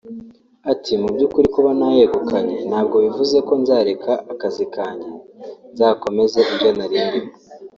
Ati “ Mu by’ukuri kuba nayegukanye ntabwo bivuze ko nzareka akazi kanjye nzakomeze ibyo nari ndimo